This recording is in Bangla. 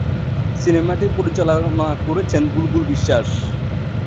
সিনেমাটি পরিচালনা করেছেন বুলবুল বিশ্বাস।